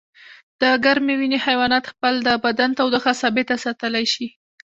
د ګرمې وینې حیوانات خپل د بدن تودوخه ثابته ساتلی شي